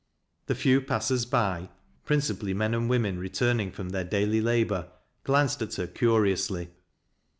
The few passers by — ^principally men and women returning from their daily labor — glanced at her curiously.